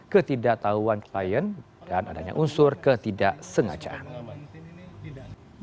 ketidaktahuan klien dan adanya unsur ketidaksengajaan